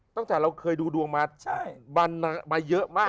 ตั้งแต่เราเคยดูดวงมาเยอะมาก